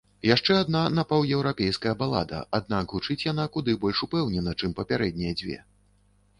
Яшчэ адна напаўеўрапейская балада, аднак гучыць яна куды больш упэўнена, чым папярэднія дзве.